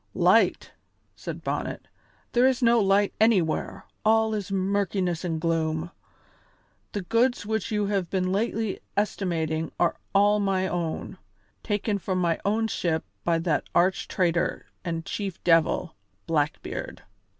"Light!" said Bonnet; "there is no light anywhere; all is murkiness and gloom. The goods which you have been lately estimating are all my own, taken from my own ship by that arch traitor and chief devil, Blackbeard.